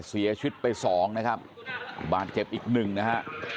เสียชีวิตไปสองนะครับบาดเจ็บอีกหนึ่งนะฮะ